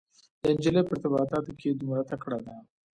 دا انجلۍ په ارتباطاتو کې دومره تکړه ده.